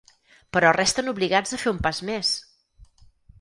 Però resten obligats a fer un pas més!